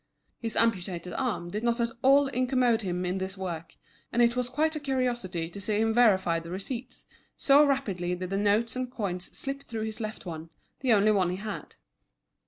His amputated arm did not at all incommode him in this work, and it was quite a curiosity to see him verify the receipts, so rapidly did the notes and coins slip through his left one, the only one he had.